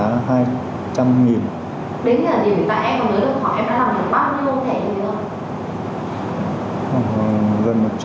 đến giờ thì tại em em đã làm được bao nhiêu thẻ